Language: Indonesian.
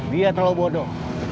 dia terlalu bodoh